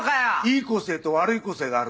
いい個性と悪い個性があるんだよ。